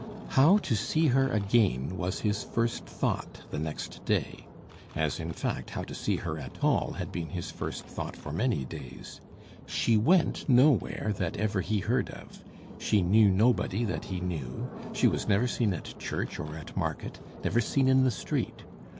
How to see her again was his first thought the next day; as, in fact, how to see her at all had been his first thought for many days. She went nowhere that ever he heard of; she knew nobody that he knew; she was never seen at church, or at market; never seen in the street.